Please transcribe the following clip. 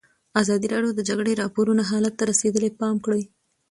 ازادي راډیو د د جګړې راپورونه حالت ته رسېدلي پام کړی.